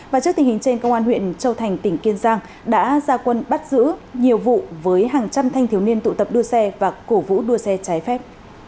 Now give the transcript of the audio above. và trước tình hình trên công an huyện châu thành tỉnh kiên giang đã ra quân bắt giữ nhiều vụ với hàng trăm thanh thiếu niên tụ tập đua xe và cổ vũ đua xe trái phép